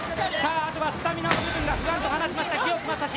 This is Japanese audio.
あとはスタミナの部分が不安と話した日置将士。